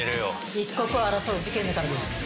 一刻を争う事件だからです。